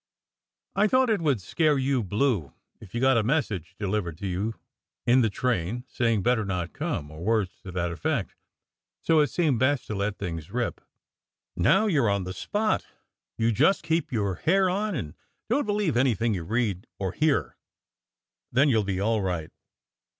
I thought it would scare you blue if you got a message delivered to you in the train saying better not come, or words to that effect; so it seemed best to let things rip. Now you re on the spot, you just keep your hair on, and don t believe anything you read or hear; then you ll be all right."